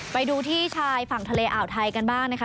ไปดูที่ชายฝั่งทะเลอ่าวไทยกันบ้างนะคะ